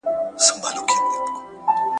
چي د دواړو په شعرونو کي .